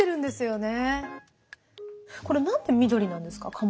これ何で緑なんですか？